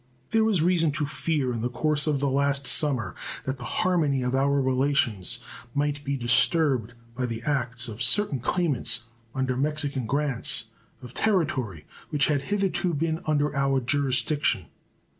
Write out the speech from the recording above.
There was reason to fear in the course of the last summer that the harmony of our relations might be disturbed by the acts of certain claimants, under Mexican grants, of territory which had hitherto been under our jurisdiction.